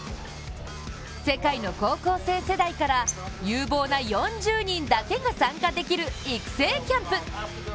世界の高校生世代から有望な４０人だけが参加できる育成キャンプ